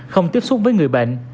không tiếp xúc với người bệnh